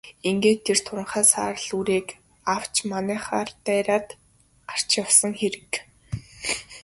Ингээд тэр туранхай саарал үрээг авч манайхаар дайраад гарч явсан хэрэг.